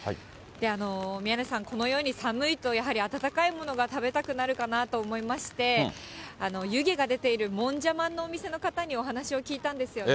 宮根さん、このように寒いとやはり温かいものが食べたくなるかなと思いまして、湯気が出ているもんじゃまんのお店の方にお話を聞いたんですよね。